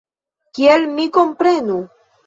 Kiel mi komprenu?